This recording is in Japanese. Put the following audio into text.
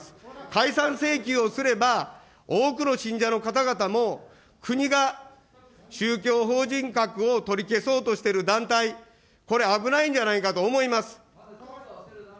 解散請求をすれば、多くの信者の方々も、国が宗教法人格を取り消そうとしている団体、これ、危ないんじゃないかと思います。